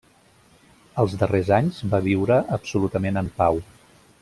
Els darrers anys va viure absolutament en pau.